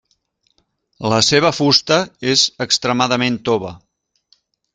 La seva fusta és extremadament tova.